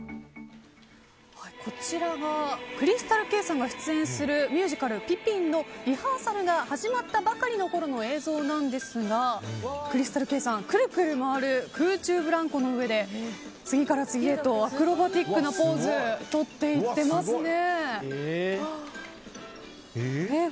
こちらがＣｒｙｓｔａｌＫａｙさんが出演するミュージカル「ピピン」のリハーサルが始まったばかりのころの映像なんですがＣｒｙｓｔａｌＫａｙさんがくるくる回る空中ブランコの上で次から次へとアクロバティックなポーズをとっていますね。